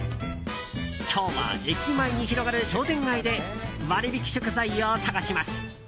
今日は駅前に広がる商店街で割引食材を探します。